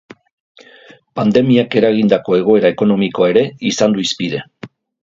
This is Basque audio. Pandemiak eragindako egoera ekonomikoa ere izan du hizpide.